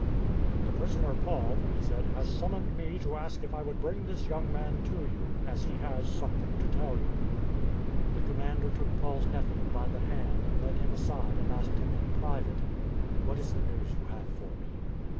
" The prisoner Paul," he said, " has summoned me to ask if I would bring this young man to you, as he has something to tell you." The commander took Paul's nephew by the hand and led him aside and asked him in private, " What is the news you have for me?